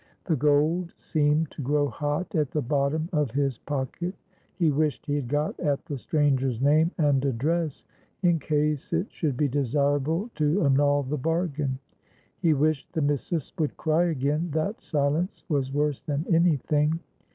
The gold seemed to grow hot at the bottom of his pocket. He wished he had got at the stranger's name and address, in case it should be desirable to annul the bargain. He wished the missus would cry again, that silence was worse than any thing.